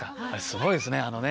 あれすごいですね。